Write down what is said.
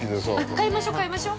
◆買いましょ、買いましょ！